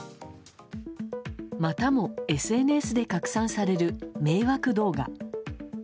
またもＳＮＳで拡散される迷惑動画。